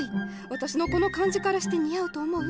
私のこの感じからして似合うと思う？